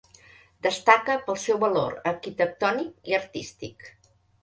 Destaca pel seu valor arquitectònic i artístic.